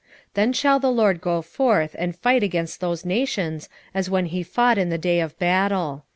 14:3 Then shall the LORD go forth, and fight against those nations, as when he fought in the day of battle.